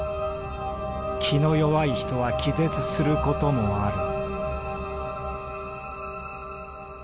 気の弱い人は気絶することもある」。